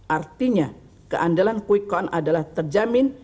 artinya keandalan quickon adalah terjamin